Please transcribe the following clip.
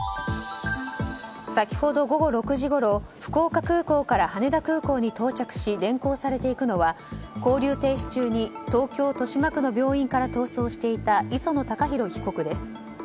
先ほど午後６時ごろ福岡空港から羽田空港に到着し連行されていくのは勾留停止中に東京・豊島区の病院から逃走していた磯野貴博被告です。